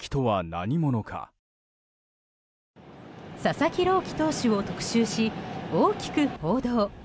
佐々木朗希投手を特集し大きく報道。